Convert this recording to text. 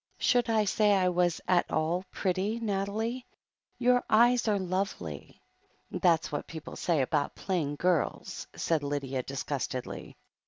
"Should you say I was at all pretty, Nathalie?" "Your eyes are lovely." "That's what people' always say about plain girls/' said Lydia disgustedly.